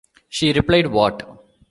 She replied: What!